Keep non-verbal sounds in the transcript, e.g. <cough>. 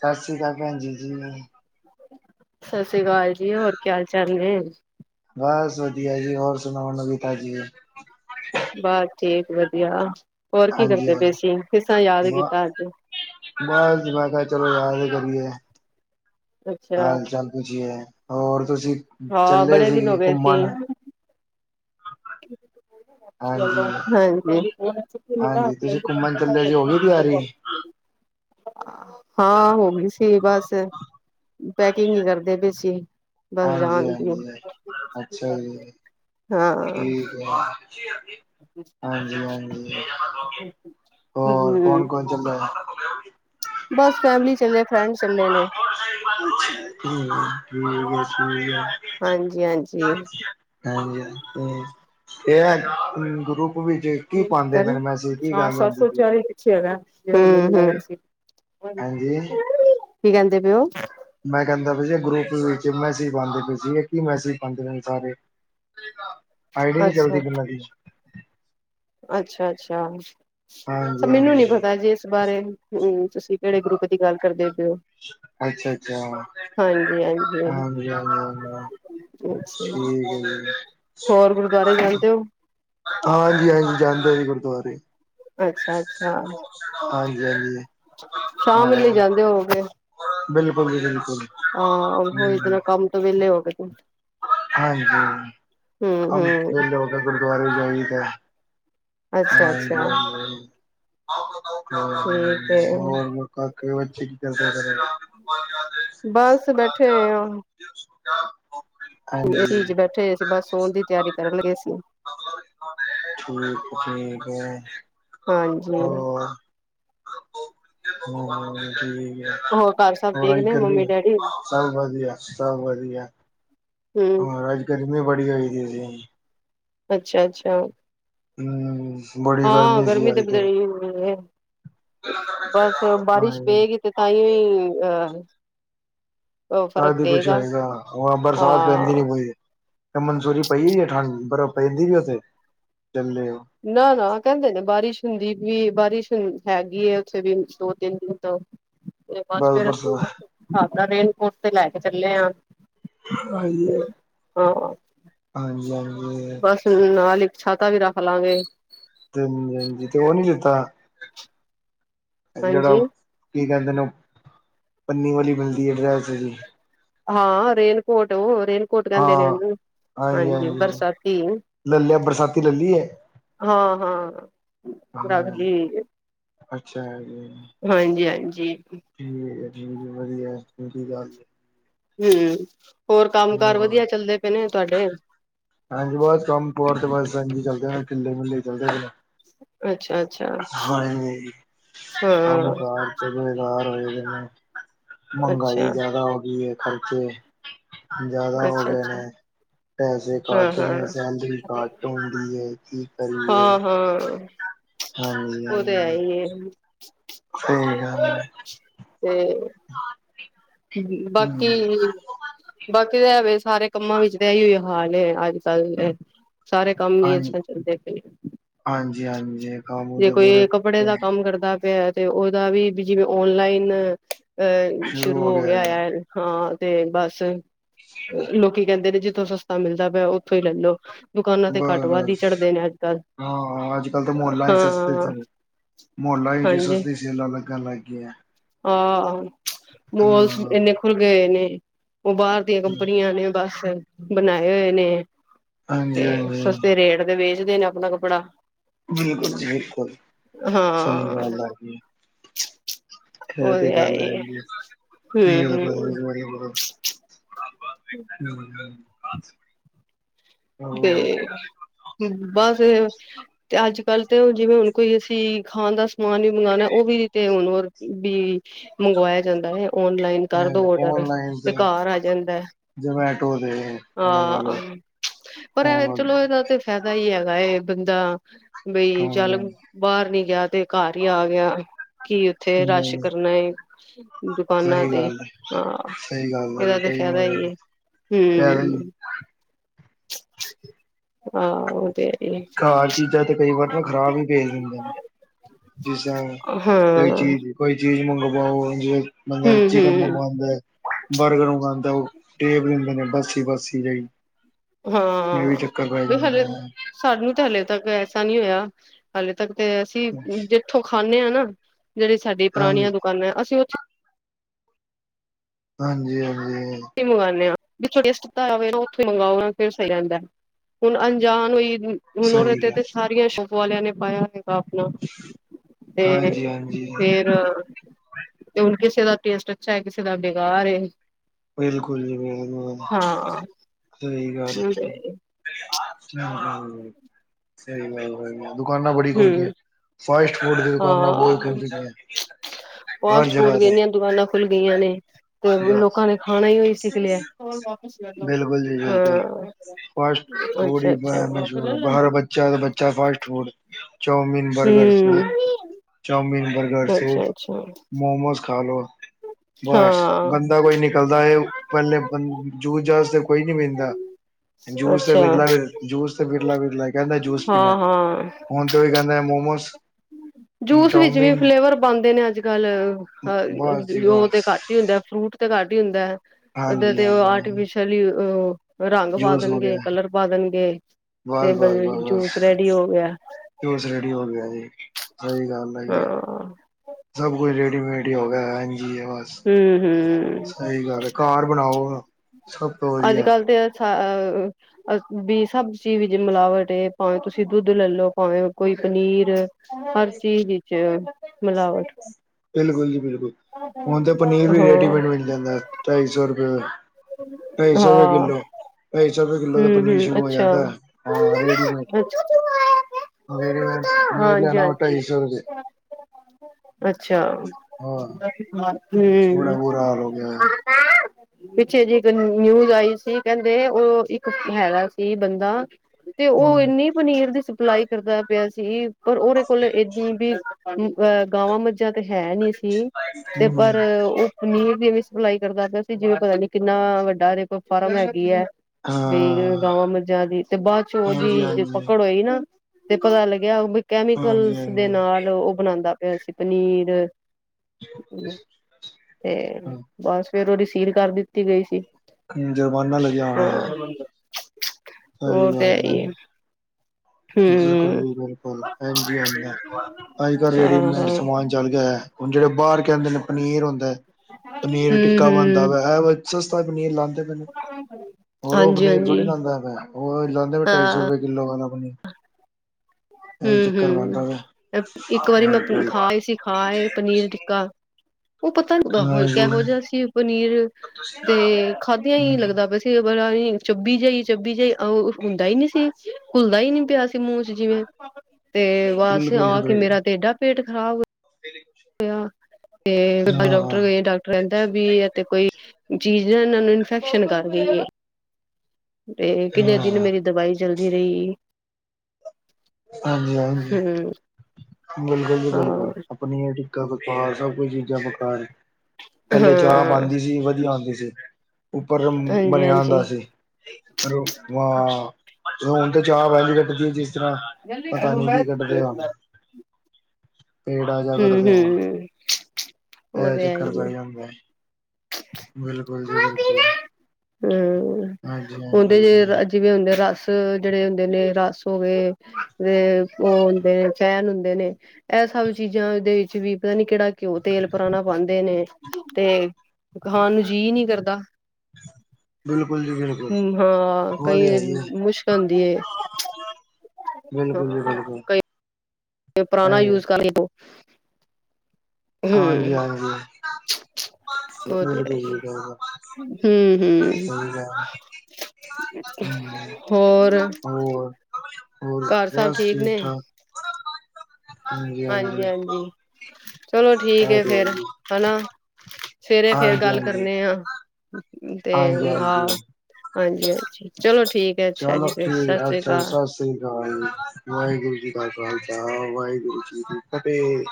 ਸਤਿ ਸ੍ਰੀ ਅਕਾਲ ਭੈਣਜੀ ਜੀ ਸਤਿ ਸ੍ਰੀ ਅਕਾਲ ਜੀ, ਹੋਰ ਕਿਆ ਹਾਲ ਚਾਲ ਨੇ ਬਸ ਵਧੀਆ ਜੀ ਹੋਰ ਸੁਣਾਓ ਨਵੀਂ ਤਾਜ਼ੀ ਬਸ ਠੀਕ ਵਧੀਆ ਹੋਰ ਕੀ ਹਾਂਜੀ ਕਰਦੇ ਪਏ ਹਾਂਜੀ ਸੀਂ, ਕਿਸ ਤਰਾ ਯਾਦ ਬ ਕੀਤਾ ਅੱਜ ਬਸ ਮੈਂ ਕਿਹਾ ਚਲੋ ਯਾਦ ਹੀ ਕਰੀਏ ਅੱਛਾ ਹਾਲ ਚਾਲ ਪੁੱਛੀਏ, ਹੋਰ ਤੁਸੀਂ ਹਾਂ ਚੱਲੇ ਬੜੇ ਦਿਨ ਹੋ ਸੀ ਗਏ ਘੁੰਮਣ <inaudible> ਹਾਂਜੀ- ਹਾਂਜੀ ਹਾਂਜੀ ਤੁਸੀਂ ਘੁੰਮਣ ਚਲੇ ਸੀ ਹੋ ਗਈ ਤਿਆਰੀ <inaudible> ਹਾਂ ਹੋ ਗਈ ਸੀ ਬਸ, ਪੈਕਿੰਗ ਹੀ ਕਰਦੇ ਪਏ ਸੀ ਬਸ ਹਾਂਜੀ- ਜਾਣਦੀ ਹਾਂਜੀ, ਅੱਛਾ ਜੀ, ਹਾਂ ਠੀਕ ਐ ਹਾਂਜੀ- ਹਾਂਜੀ ਹੋਰ ਹਮ ਕੌਣ- ਕੌਣ ਚਲਿਆ। ਬਸ ਫੈਮਲੀ ਚੱਲੇ, ਫਰੈਂਡ ਚੱਲੇ ਨੇ <unintelligible> ਹਾਂਜੀ- ਹਾਂਜੀ ਹਾਂਜੀ- ਹਾਂਜੀ ਇਹ ਹੈਗਾ ਗਰੁੱਪ ਵਿੱਚ ਕੀ ਹਮ ਪਾਉਂਦੇ ਚਾਰੂ ਮੈਨੂੰ ਮੈਸੇਜ ਕੀ ਹਾ ਗੱਲ ਸਤ ਹੁੰਦੀ ਸੋ ਪਈ ਹੈ। ਚਾਲੀ <unintelligible> ਹਾਂਜੀ ਕੀ ਕਹਿੰਦੇ ਪਓ ਮੈਂ ਕਹਿੰਦਾ ਪਿਆ ਸੀ ਗਰੁੱਪ ਵਿੱਚ ਮੈਸੇਜ ਪਾਉਂਦੇ ਪਯੇ ਸੀਗੇ ਕੀ ਮੈਸੇਜ ਪਾਉਂਦੇ ਪਯੇ ਸਾਰੇ ਆਈ ਡੀ ਨਈ ਅੱਛਾ ਚਲਦੀ ਓਨਾ ਦੀ ਅੱਛਾ- ਅੱਛਾ ਤੇ ਹਾਂਜੀ ਮੈਨੂੰ ਨੀ ਹਾਂਜੀ ਪਤਾ ਜੀ ਇਸ ਬਾਰੇ, ਹਮ ਤੁਸੀਂ ਕਿਹੜੇ ਗਰੁੱਪ ਦੀ ਗੱਲ ਕਰਦੇ ਪਏ ਓ ਅੱਛਾ- ਅੱਛਾ ਹਾਂਜੀ- ਹਾਂਜੀ ਹਾਜੀ--ਹਾਂਜੀ ਅੱਛਾ ਠੀਕ ਐ ਜੀ ਹੋਰ ਗੁਰਦੁਆਰੇ ਜਾਂਦੇ ਹੋ। ਹਾਂਜੀ- ਹਾਂਜੀ ਜਾਂਦੇ ਜੀ ਗੁਰਦੁਆਰੇ ਅੱਛਾ- ਅੱਛਾ ਹਾਂਜੀ ਹਾਂਜੀ ਸ਼ਾਮ ਲਈ ਹਾਂ ਜਾਂਦੇ ਹੋਗੇ ਬਿਲਕੁਲ ਜੀ, ਬਿਲਕੁਲ ਆਹੋ ਓਹੀ ਹੂੰ ਨਾ ਕੰਮ ਤੋਂ ਵਿਹਲੇੇ ਹੋਕੇ ਤੂੰ ਹਾਂਜੀ ਕੰਮ ਹੂੰ ਤੋਂ ਵਿਹਲੇ ਹੋ ਕੇ ਗੁਰਦੁਆਰੇ ਜਾਈਦਾ। ਅੱਛਾ ਹਾਂਜੀ- ਹਾਂਜੀ ਅੱਛਾ -ਹਾਂਜੀ ਹੋਰ ਠੀਕ ਹੈ। ਸੁਣਾਓ ਜੀ ਹੋਰ ਕਾਕੇ ਦੇ ਬੱਚੇ ਕੀ ਕਰਦੇ ਪਏ ਨੇ ਬਸ ਬੈਠੇ ਹੋਏ ਆ ਜ <unintelligible> ਹਨੇਰੀ 'ਚ ਬੈਠੇ ਹੋਏ ਸੀ ਬਸ ਸੋਨ ਦੀ ਤਿਆਰੀ ਕਰਨ ਲੱਗੇ ਸੀ ਠੀਕ ਠੀਕ ਹਾਂਜੀ। ਹਮ। ਹੋਰ ਘਰ ਸਭ ਠੀਕ ਹੋਈ ਨੇ ਮੰਮੀ ਕਰਮੀ, ਡੈਡੀ ਸਭ ਵਧੀਆ, ਸਭ ਵਧੀਆ। ਹੁੰ। ਹੋਰ ਅੱਜ ਗਰਮੀ ਬੜੀ, ਹੈਗੀ, ਹੈ ਜੀ। ਅੱਛਾ -ਅੱਛਾ ਹੁੰ। ਹਾਂ, ਗਰਮੀ ਤਾਂ ਬਥੇਰੀ ਹੋ ਰਹੀ ਹੈ, ਬਸ ਬਾਰਿਸ਼ ਹਾਂ ਪਏਗੀ। ਤੇ ਤਾਂਹੀ, ਵੀ ਅਹ। ਤਾਂ ਫ਼ਰਕ ਵੀ ਕੁਛ ਪਏਗਾ ਹੋਏਗਾ, ਹਵਾ, ਬਰਸਾਤ, ਪੈਂਦੀ ਨੀ ਹਾਂ ਕੋਈ। ਤੇ ਮਨਜੂਰੀ ਪਈ ਹੈ, ਠੰਡ, ਬਰਫ਼ ਪੈਂਦੀ ਵੀ, ਉੱਥੇ ਚੱਲੇ ਹੋ। ਨਾ-ਨਾ ਕਹਿੰਦੇ ਨੇ, ਬਾਰਿਸ਼ ਹੁੰਦੀ ਵੀ, ਬਾਰਿਸ਼ ਹ, ਹੈਗੀ ਐ, ਉੱਥੇ ਵੀ ਦੋ ਤਿੰਨ-ਦਿਨ ਤੋਂ ਤੇ ਬਸ ਫਿਰ, ਅਸੀਂ ਰੇਨ ਕੋਟ ਤੇ ਲੈ ਕੇ ਚੱਲੇ ਆਂ। ਹਾਂਜੀ। ਹਾਂ। ਹਾਂਜੀ ਹਾਂ। ਬਸ, ਹੁਨ ਨਾਲ ਇੱਕ ਛਤਾ ਵੀ ਰੱਖ ਲਾਂਗੇ। ਤਿੰਨ ਦਿਨ ਤੇ ਉਹ ਨੀ ਦਿੱਤਾ ਜਿਹੜਾ। ਹਾਂਜੀ ਕੀ, ਕਹਿੰਦੇ ਨੇ, ਪੰਨੀ ਵਾਲੀ ਮਿਲਦੀ ਹੈ ਡਰੈਸ ਜੀ। ਹਾਂ, ਰੇਨਕੋਟ, ਉਹ ਰੇਨ। ਕੋਟ ਕੈਂਦੇ ਹਾਂ ਨੇ, ਉਹਨੂੰ ਹਾਂਜੀ ਬਰਸਾਤੀ। ਲੈ ਲਿਆ ਬਰਸਾਤੀ ਲੈ ਲਈ ਹੈ ਹਾਂ, ਹਾਂ, ਹਾਂ ਰਗਲੀ। ਅੱਛਾ, ਹੈ, ਜੀ। ਹਾਂਜੀ -ਹਾਂਜੀ। ਜਿਵੇਂ ਜਿਵੇਂ, ਵਧੀਆ ਚੰਗੀ ਗੱਲ। ਹੁੰ, ਹੋਰ ਕੰਮ ਕਾਰ, ਹਾਂ ਵਧੀਆ ਚੱਲਦੇ ਪਏ ਨੇ ਤੁਹਾਡੇ। ਹਾਂਜੀ, ਬਹੁਤ ਕੰਮ ਪਰ ਤੇ, ਬਸ ਹਾਂਜੀ ਚੱਲਦੇ, ਕਿੱਲੇ ਮੁਲੇ ਚੱਲਦੇ। ਅੱਛਾ ਅੱਛਾ ਹਾਏ, ਹਾਂ ਕੰਮਕਾਰ। ਬਰੁਜ਼ਗਾਰ ਹੋਏ ਨੇ, ਮਹਿੰਗਾਈ ਅੱਛਾ ਜ਼ਿਆਦਾ ਹੋ ਗਈ ਹੈ, ਖਰਚੇ ਜ਼ਿਆਦਾ ਹੋ ਅੱਛਾ ਗਏ ਅੱਛਾ ਨੇ, ਪੈਸੇ ਹਾਂ ਕਟ ਨੇ, ਹਾਂ ਸੈਲਰੀ ਕਟ ਟੁੰਡੀ ਹੈ, ਕੀ। ਕਰੀਏ ਹਾਂ-ਹਾਂ, ਹਾਂਜੀ ਉਹ ਤਾਂ ਹੈ ਹਾਂਜੀ ਹੀ ਹੈ। ਸਹੀ ਗੱਲ ਏ। ਤੇ ਹਮ ਬਾਕੀ-ਬਾਕੀ ਤਾਂ ਹੈਵੇ ਸਾਰੇ ਕੰਮਾਂ ਵਿੱਚ ਤਾਂ ਇਹੀ ਹਈ ਆ। ਹਾਲੇ, ਅੱਜ ਕੱਲ ਸਾਰੇ ਕੰਮ ਹੀ ਹਾਂਜੀ ਚੱਲਦੇ। ਹਾਂਜੀ- ਹਾਂਜੀ। ਕੰਮ ਜੇ ਤੇ ਪੂਰੇ ਕੋਈ ਕੱਪੜੇ ਪਿੱਟੇ ਦਾ ਕੰਮ ਕਰਦਾ ਪਿਆ, ਤੇ ਉਹਦਾ ਵੀ, ਜਿਵੇਂ ਓਨਲਾਈਨ ਅ ਸ਼ੁਰੂ ਹੋ ਗਿਆ ਆ, ਹਾਂ ਤੇ ਬਸ ਲੋਕੀ ਕਹਿੰਦੇ ਨੇ, ਜਿੱਥੋਂ ਸਸਤਾ ਮਿਲਦਾ ਪਿਆ, ਉੱਥੋਂ ਹੀ ਲੈ ਲਓ, ਦੁਕਾਨਾਂ ਤੇ ਘੱਟ ਵੱਧ ਹੀ ਬਸ ਚੜ੍ਹਦੇ ਨੇ, ਅੱਜ ਕੱਲ੍ਹ ਹਾਂ, ਆਜ ਚੱਲ ਤਾਂ ਮੁਹੱਲਾ ਹੀ ਸਸਤੇ ਚੱਲ, ਮੁਹੱਲਾ ਹੀ ਚ ਹਾਂਜੀ ਸਸਤੀ ਸੇਲਾ ਲੱਗਣ ਲੱਗ ਗਈ ਐ। ਆਹ, ਮੋਲਸ ਇੰਨੇ ਖੁੱਲ ਗਏ ਨੇ, ਉਹ ਬਾਹਰ ਦੀਆ ਕੰਪਨੀਆਂ ਨੇ, ਬਸ ਬਣਾਏ ਹੋਏ ਨੇ। ਹਾਂਜੀ ਤੇ ਹਾਂਜੀ ਸਸਤੇ ਰੇਟ ਤੇ ਵੇਚਦੇ ਨੇ ਆਪਣਾ ਕੱਪੜਾ ਬਿਲਕੁਲ ਜੀ ਬਿਲਕੁਲ ਸਹੀ ਹਾਂ ਗਾਲ ਆਖੀ ਹੈ ਫਿਰ ਤੇ ਗੱਲ ਹੈ ਹਮ ਹਮ <inaudible> ਹੂ ਹਾਂ <inaudible> ਤੇ ਬਸ ਤੇ ਅੱਜ ਕੱਲ ਤੇ ਜਿਵੇਂ ਹੁਣ ਕੋਈ ਅਸੀਂ ਖਾਣ ਦਾ ਸਮਾਨ ਵੀ ਮੰਗਵਾਉਣਾ ਉਹ ਵੀ ਤੇ ਹੁਣ ਵੀ ਮੰਗਵਾਇਆ ਜਾਂਦਾ ਹੈ, ਓਨਲਾਈਨ ਕਰਦੋ ਔਡਰ ਤੇ ਘਰ ਆ ਜਾਂਦਾ ਹੈ ਜੋਮੈਟੋ ਦੇ ਮੰਗਵਾਲੋ ਪਰ ਐਵੇਂ ਚਲੋ ਇਹਦਾ ਤੇ ਫਾਇਦਾ ਹੀ ਹੈਗਾ ਬੰਦਾ ਬਈ ਚੱਲ ਹੈ ਬਾਹਰ ਨੀ ਗਿਆ ਤੇ ਘਰ ਹੀ ਆ ਗਿਆ, ਕੀ ਉੱਥੇ ਰਸ਼ ਕਰਨਾ ਐ ਦੁਕਾਨਾਂ ਤੇ, ਹਾਂ ਸਹੀ ਗੱਲ ਹੈ ਇਹਦਾ ਜੀ ਤੇ ਕਈ ਫਾਇਦਾ ਹੀ ਹੈ ਹੂ ਪੈਦਲ ਹਾਂ ਉਹ ਤੇ ਹੈ ਹੀ ਏ ਘਰ ਚੀਜ਼ਾਂ ਤੇ ਕਈ ਵਾਰ ਨਾ ਖਰਾਬ ਹੀ ਭੇਜ ਦਿੰਦੇ ਨੇ ਜਿਸ ਤਰਹ ਹਾਂ ਕੋਈ ਚੀਜ਼ ਕੋਈ ਚੀਜ਼ ਮੰਗਵਾਓ ਜੀਵੇਂ ਮ ਚਿਕਨ ਹੂੰ-ਹੂੰ ਮੰਗਵਾਉਂਦਾ ਬਰਗਰ ਉਗਾਉਂਦਾ ਉਹ ਟੇਪ ਲਿੰਦੇ ਨੇ ਬਾਸੀ ਬਾਸੀ ਜਈ ਇਹ ਵੀ ਹਾਂ ਚੱਕਰ ਪੈ ਵੀ ਜਾਂਦਾ ਹਲੇ ਹੈ ਸਾਨੂੰ ਤੇ ਹਾਲੇੇ ਤੱਕ ਐਸਾ ਨਹੀਂ ਹੋਇਆ, ਹਾਲੇ ਤੱਕ ਤੇ ਅਸੀਂ ਜਿੱਥੋਂ ਖਾਂਦੇ ਹਾਂ ਨਾ ਜਿਹੜੀ ਸਾਡੀ ਹਾਂਜੀ ਪੁਰਾਣੀਆਂ ਦੁਕਾਨਾਂ, ਅਸੀਂ ਉਹ ਹਾਂਜੀ ਹਾਂਜੀ ਮੰਗਵਾਉਂਦੇ ਹਾਂ, ਜਿਥੋਂ ਟੇਸਟ ਕੀਤਾ ਹੋਵੇ ਨਾ ਉੱਥੇ ਈ ਮੰਗਵਾਓ ਫ਼ਿਰ ਸਹੀ ਰਹਿੰਦਾ ਹੈ ਹੁਣ ਅਣਜਾਨ ਵੀ ਹੁਣ ਸਹੀ ਔਦੇ ਗੱਲ ਤੇ ਸਾਰੀਆਂ ਸ਼ਕ ਵਾਲਿਆਂ ਨੇ ਪਾਇਆ ਆਪਣਾ ਤੇ ਹਾਂਜੀ-ਹਾਂਜੀ, ਫੇਰ ਤੇ ਹੁਣ ਕਿਸੇ ਦਾ ਟੇਸਟ ਅੱਛਾ ਹੈ, ਕਿਸੇ ਦਾ ਬੇਕਾਰ ਐ ਬਿਲਕੁਲ ਜੀ ਬਿਲਕੁਲ ਹਾਂ ਸਹੀ ਗੱਲ ਸਹੀ ਗੱਲ ਗੱਲ ਦੁਕਾਨਾਂ ਬੜੀ ਖੁੱਲ ਗਈਆਂ, ਹੂੰ ਫਾਸਟ ਫੂਡ ਦੀ ਦੁਕਾਨਾਂ ਬਹੁਤ ਹਾਂ ਖੁੱਲ ਚੁੱਕਿਆਂ ਹੈ ਫਾਸਟ ਫੂਡ ਦੀ ਇਨੀਆਂ ਦੁਕਾਨਾਂ ਖੁੱਲ ਗਈਆਂ ਨੇ, ਤੇ ਲੋਕਾਂ ਨੇ ਖਾਣਾ ਉਈ ਸਿਖ ਲਿਆ ਹਾਂ ਬਿਲਕੁਲ ਜੀ ਬਿਲਕੁਲ ਫਾਸਟ ਫੂਡ ਅੱਛਾ ਹੀ ਬ ਅੱਛਾ ਮਸ਼ਹੂਰ ਹੈ, ਬਾਹਰ ਬੱਚਾ ਬੱਚਾ fast food chowmein burger soup ਹੂੰ ਚਾਊਮੀਨ ਬਰਗਰ ਅੱਛਾ ਸਿਰਫ਼ ਅੱਛਾ ਮੋਮੋਜ਼ ਖਾ ਲੋ ਬਸ ਹਾਂ ਬੰਦਾ ਕੋਈ ਨਿਕਲਦਾ ਹੈ ਪਹਿਲੇ ਬੰ ਜੂਸ ਜਾਸ ਤੇ ਕੋਈ ਨੀ ਪੀਦਾ ਜੂਸ ਤੇ ਅੱਛਾ ਵਿਰਲਾ, ਜੂਸ ਤੇ ਵਿਰਲਾ ਵਿਰਲਾ ਈ ਕਹਿੰਦਾ ਜੂਸ ਹਾਂ ਪੀਣਾ ਹਾਂ ਐ ਹੁਣ ਤੇ ਔਵੀ ਕਹਿੰਦਾ ਐ ਮੋਮੋਸ ਜੂਸ ਵਿੱਚ ਵੀ ਚਾਊਮਿਨ ਫਲੇਵਰ ਪਾਂਦੇ ਨੇ ਅੱਜ ਕੱਲ੍ਹ ਹ ਬਸ ਜੀ ਉਹ ਤੇ ਬਸ ਘੱਟ ਹੀ ਹੁੰਦਾ, ਫਰੂਟ ਤੇ ਘੱਟ ਹੀ ਹੁੰਦਾ ਹੈ, ਅੱਧੇ ਹਾਂਜੀ ਤੇ ਉਹ ਹਾਂਜੀ ਆਰਟੀਫਿਸ਼ਲ ਚੱਲੀ ਔਹ ਰੰਗ ਪਾ ਜੂਸ ਹੋ ਗਿਆ ਦੇਣਗੇ ਕਲਰ ਪਾ ਦੇਣਗੇ, ਤੇ ਬਸ ਬਸ ਬਸ ਬਸ ਜੂਸ ਰੈਡੀ ਹੋ ਗਿਆ ਜੂਸ ਰਡੀ ਹੋ ਗਿਆ ਜੀ, ਸਹੀ ਗੱਲ ਐ ਜੀ ਹਾਂ ਏ ਸਭ ਕੁਝ ਰੇਡੀ ਮੇਡ ਹੀ ਹੋ ਗਯਾ ਐਂਜ ਈ ਹੈ ਬਸ ਹੂੰ ਹੂੰ ਸਹੀ ਗੱਲ ਐ, ਘਾਰ ਬਣਾਓ ਸਭ ਤੋਂ ਵਧੀਆ <unintelligible> ਆ ਵੀ ਸਬ ਚੀਜ਼ ਵੀ ਮਿਲਾਵਟ ਭਾਵੇਂ ਤੁਸੀਂ ਦੁੱਧ ਲੈਲੋ ਭਾਵੇਂ ਕੋਈ ਪਨੀਰ ਹਰ ਚੀਜ਼ ਵਿੱਚ ਮਿਲਾਵਟ ਬਿਲਕੁਲ ਜੀ ਬਿਲਕੁਲ ਹੁਣ ਤਾਂ ਪਨੀਰ ਵੀ ਹਾਂ ਰੈਡੀਮੇਡ ਮਿਲ ਜਾਂਦਾ ਢਾਈ ਸੌ ਰੁਪਏ ਦਾ ਹਾਂ ਢਾਈ ਸੌ ਰੁਪਏ ਕਿੱਲੋ ਦਾ ਹੂੰ ਪਨੀਰ ਹੂੰ ਸ਼ੁਰੂ ਹੋ ਅੱਛਾ ਜਾਂਦਾ ਹਾਂ ਰੇਡੀਮੇਡ ਅੱਛਾ ਰੈਡੀ ਮੈਡ ਪਨੀਰ ਹਾਂਜੀ ਲੈਣਾ ਹੋਏ ਹਾਂਜੀ ਢਾਈ ਸੋ ਰੁਪੈ ਅੱਛਾ ਹੂੰ, <inaudible> ਪਿੱਛੇ ਜ ਇੱਕ ਨਿਊਜ਼ ਆਈ ਸੀ ਕਹਿੰਦੇ ਉਹ ਇੱਕ ਹੈਗਾ ਸੀ ਬੰਦਾ ਤੇ ਉਹ ਇੰਨੀ ਪਨੀਰ ਦੀ ਸਪਲਾਈ ਕਰਦਾ ਪਿਆ ਸੀ ਪਰ ਉਹਦੇ ਕੋਲ ਐ ਇ ਵੀ ਅਹ ਗਾਵਾਂ ਮੱਝਾਂ ਤੇ ਹੈ ਨੀ ਸੀ ਤੇ ਪਰ ਪਨੀਰ ਦੀ ਸਪਲਾਈ ਕਰਦਾ ਜਿਵੇਂ ਪਤਾ ਨੀ ਕਿੰਨਾ ਵੱਡਾ ਇਹਦੇ ਕੋਲ ਫਾਰਮ ਹੈਗੀ ਹੈ। ਬਈ ਗਾਵਾਂ ਮੱਝਾਂ ਦੀ ਤੇ ਬਾਅਦ ਚ ਉਹਦੀ ਜੈ ਪਕੜ ਹੋਈ ਨਾ, ਤੇ ਪਤਾ ਲੱਗਿਆ ਵੀ ਕੈਮੀਕਲਸ ਦੇ ਨਾਲ ਉਹ ਬਣਾਉਂਦਾ ਪਿਆ ਸੀ ਪਨੀਰ ਤੇ ਬਸ ਫੇਰ ਉਹਦੀ ਸੀਲ ਕਰ ਦਿੱਤੀ ਗਈ ਸੀ। ਜੁਰਮਾਨਾ ਲੱਗਿਆ ਹੋਣਾ ਹੈ। ਓਹ ਤੇ ਹੈ ਹੀ ਹੈ ਬਿਲਕੁਲ ਹੂੰ ਜੀ ਬਿਲਕੁਲ ਹਾਜੀ ਅੱਜ ਕੱਲ ਹਾਂ ਰੇਡੀਮੇਡ ਹਾਂ ਸਮਾਨ ਚੱਲ ਗਿਆ ਹੈ। ਹੁਣ ਜਿਹੜੇ ਬਾਹਰ ਕਦੇ ਨੇ ਪਨੀਰ ਹੁੰਦਾ ਹੈ ਪਨੀਰ ਹੂੰ ਟਿੱਕਾ ਬਣਦਾ ਹੂੰ ਵਾ ਹੈ ਬਈ ਸਸਤਾ ਪਨੀਰ ਲਾਦੇ ਪਇ ਨੇ ਔਰ ਉਹ ਹਾਂਜੀ ਪਨੀਰ ਹਾਂਜੀ ਥੋੜੀ ਲਾਦਾ ਮੈ ਉਹ ਲਾਉਦੇ ਢਾਈ ਸੌ ਹਾਂ ਰੁਪਏ ਕਿਲੋ ਵਾਲਾ ਪਨੀਰ ਇਹੀ ਹੂੰ ਚੱਕਰ ਬਣਦਾ ਵਾ ਹੂੰ, ਇੱਕ ਵਾਰੀ ਮੈਂ ਬਿਲਕੁਲ ਖਾ ਸੀ ਖਾ ਆਏ ਪਨੀਰ ਟਿੱਕਾ ਉਹ ਪਤਾ ਨ ਹਾਂਜੀ ਕਿਹੋ ਜਿਹਾ ਸੀ ਪਨੀਰ ਤੇ ਖਾਦਿਆ ਹੀ ਲੱਗਦਾ ਪਿਆ ਸੀ। ਬੜਾ ਚੱਬੀ ਜਿਹੀ ਚੱਬੀ ਜਿਹੀ ਹੁੰਦਾ ਹੀ ਨਹੀਂੀ ਸੀ ਘੁੱਲਦਾ ਹੀ ਨੀ ਪਿਆ ਸੀ ਮੂੰਹ ਚ ਜਿਵੇਂ ਤੇ ਵਸ ਬਿਲਕੁਲ ਜੀ ਆ ਕੇ ਬਿਲਕੁਲ ਮੇਰਾ ਤੇ ਏਡਾ ਪੇਟ ਖ਼ਰਾਬ <unintelligible> ਤਿਆਂ ਤੇ ਮੈ ਹਾਂ ਡਾਕਟਰ ਗਏ ਡਾ ਰਹਿੰਦਾ ਵੀ ਤੇ ਕੋਈ ਚੀਜ਼ ਨਾ ਇਹਨਾਂ ਨੂੰ ਇਨਫੈਕਸ਼ਨ ਕਰ ਗਈ ਹੈ ਤੇ ਕਿੰਨੇ ਦਿਨ ਹਾਂ ਮੇਰੀ ਦਵਾਈ ਚਲਦੀ ਰਹੀ ਹਾਂਜੀ ਹਾਂਜੀ ਹੂੰ ਬਿਲਕੁਲ ਜੀ ਹਾਂ ਬਿਲਕੁਲ, ਪਨੀਰ ਟਿੱਕਾ ਬੇ ਕਾਰ ਸਭ ਕੁਝ ਚੀਜ਼ਾਂ ਬੇਕਾਰ ਪਹਿਲੇ ਚਾਹ ਹਾਂ ਖਾਂਦੀ ਸੀ ਵਧੀਆ ਆਉਂਦੀ ਸੀ ਉੱਪਰ ਹਾਂਜੀ ਬਣਿਆ ਹਾਂਜੀ ਆਦਾ ਸੀ। ਹੁਣ ਤਾਂ ਚਾਹ ਵੈਲੀ ਕੱਢਦੀ ਆ ਜਿਸ ਤਰ੍ਹਾਂ ਪਤਾ ਨੀ ਕੀ ਕੱਢਦੇ ਆ ਪੇੜ ਆ ਜਾ ਹੂੰ ਕੱਢਦੇ ਵਣ ਹੂੰ ਉਹ ਇਹ ਤੇ ਹੈ ਚੱਕਰ ਹੀ ਹੈ ਪਾਈ ਜਾਂਦਾ ਬਿਲਕੁਲ ਜੀ ਬਿਲਕੁਲ, ਹਮ ਹਾਂਜੀ ਉਹਦੇ ਹਾਂਜੀ ਜ ਜਿਵੇਂ ਹੁੰਦੇ ਰਸ ਜਿਹੜੇ ਹੁੰਦੇ ਨੇ ਰਸ ਹੋ ਗਏ ਤੇ ਉਹ ਹੁੰਦੇ ਨੇ ਚੈਨ ਹੁੰਦੇ ਨੇ, ਇਹ ਸਭ ਚੀਜ਼ਾਂ ਦੇ ਵਿੱਚ ਵੀ ਪਤਾ ਨੀ ਕਿਹੜਾ ਘਿਓ ਤੇਲ ਪੁਰਾਣਾ ਪਾਉਂਦੇ ਨੇ ਤੇ, ਖਾਨ ਨੂੰ ਜੀਅ ਨੀ ਕਰਦਾ, ਬਿਲਕੁਲ ਜੀ ਬਿਲਕੁਲ ਹੂੰ ਹਾਂ ਉਹ ਤੇ ਕਈ ਹੈ ਹੀ ਹੈ ਮੁਸ਼ਕ ਆਦੀ ਹੈ। ਬਿਲਕੁਲ ਜੀ ਬਿਲਕੁਲ, ਪੁਰਾਣਾ ਹਾਂਜੀ, ਯੂਜ ਕਰ ਲਈ ਹਾਂਜੀ ਹਾਂਜੀ, ਔ ਤੇ ਬਿਲਕੁਲ ਹੈ ਈਏ ਬਿਲਕੁਲ। ਹਮ ਹਮ, ਸਹੀ ਗੱਲ ਹੂੰ। ਹੋਰ। ਹੋਰ, ਹੋਰ ਘਰ ਸਭ ਬਸ ਠੀਕ ਨੇ? ਠਾਕ। ਹਾਂਜੀ, ਹਾਂਜੀ। ਹਾਂਜੀ-ਹਾਂਜੀ, ਚਲੋ ਇਹ ਤੇ ਠੀਕ ਹੈ ਏ ਫੇਰ ਜੀ, ਹੈਨਾ। ਸਵੇਰੇ ਫੇਰ ਹਾਂਜੀ, ਗੱਲ ਹਾਂਜੀ। ਕਰਨੇ ਆ ਤੇ ਹਾਂਜੀ, ਆ ਹਾਂਜੀ ਹਾਂਜੀ-ਹਾਂਜੀ ਚਲੋ ਠੀਕ। ਹੈ ਅੱਛਾ ਜੀ ਚਲੋ ਫਿਰ ਠੀਕ ਸਤਿ ਸ੍ਰੀ ਅੱਛਾ ਜੀ ਅਕਾਲ। ਸਤ ਸ੍ਰੀ ਸ਼੍ਰੀ ਅਕਾਲ। ਵਾਹਿਗੁਰੂ ਜੀ ਕਾ ਖਾਲਸਾ ਵਾਹਿਗੁਰੂ ਜੀ ਕੀ ਫਤਿਹ।